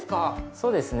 そうですね。